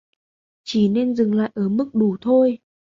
Chỉ nên dừng lại ở mức đủ thôi